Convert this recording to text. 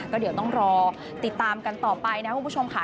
ก็เดี๋ยวต้องรอติดตามกันต่อไปนะคุณผู้ชมค่ะ